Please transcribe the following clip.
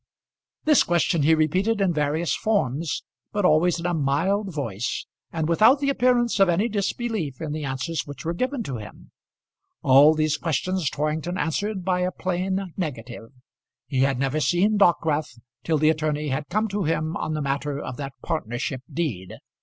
This question he repeated in various forms, but always in a mild voice, and without the appearance of any disbelief in the answers which were given to him. All these questions Torrington answered by a plain negative. He had never seen Dockwrath till the attorney had come to him on the matter of that partnership deed.